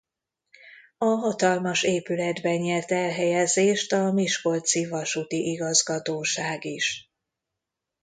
A hatalmas épületben nyert elhelyezést a miskolci vasúti igazgatóság is.